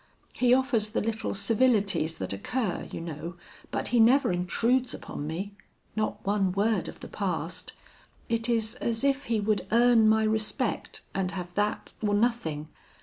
He offers the little civilities that occur, you know. But he never intrudes upon me. Not one word of the past! It is as if he would earn my respect, and have that or nothing....